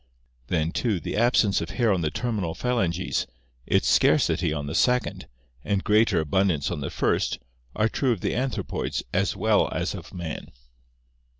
Then, too, the absence of hair on the terminal phalanges, its scarcity on the second, and greater abundance on the first are true of the anthropoids as well as of man.